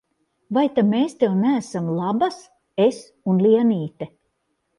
Vai ta mēs tev neesam labas, es un Lienīte?